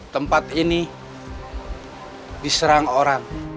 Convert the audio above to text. tempat ini diserang orang